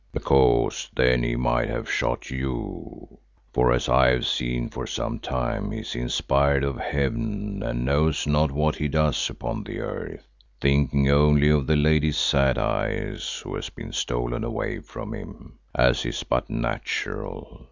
"Because then he might have shot you, for, as I have seen for some time he is inspired of heaven and knows not what he does upon the earth, thinking only of the Lady Sad Eyes who has been stolen away from him, as is but natural.